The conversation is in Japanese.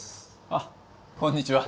あっこんにちは。